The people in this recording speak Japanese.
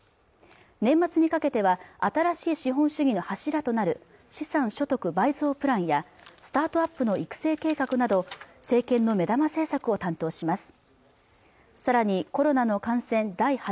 年末にかけては新しい資本主義の柱となる資産所得倍増プランやスタートアップの育成計画など政権の目玉政策を担当します